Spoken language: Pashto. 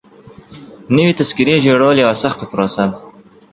نوي تذکيري جوړول يوه سخته پروسه ده.